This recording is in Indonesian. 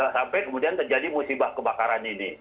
sampai kemudian terjadi musibah kebakaran ini